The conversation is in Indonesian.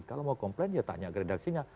kalau mau komplain dia tanya ke redaksinya